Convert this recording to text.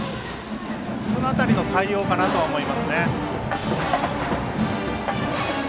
その辺りの対応かなと落ちた！